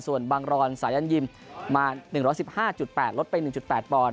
ส่วนบังรอนสายันยิมมา๑๑๕๘ลดไป๑๘ปอนด